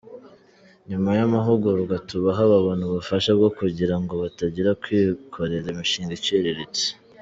Nyuma y’amahugurwa tubaha babona ubufasha bwo kugira ngo batangire kwikorera imishinga iciriritse.